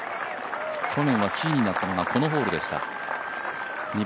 去年はキーになったのがこのホールでした。